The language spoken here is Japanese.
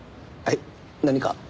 はい何か？